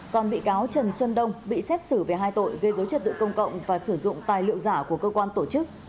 còn bị cáo trần xuân đông bị xét xử về hai tội gây dối trật tự công cộng và sử dụng tài liệu giả của cơ quan tổ chức